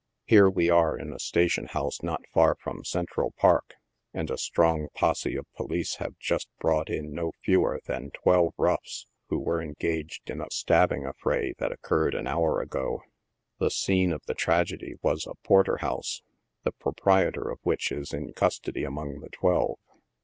Here we are in a station house not far from Central Park, and a strong posse of police have iust brought in no fewer than twelve roughs who were engaged in a stabbing affray that occurred an hour ago. The scene of the trage dy was a porter house, the proprietor of which is in custody among the twelve.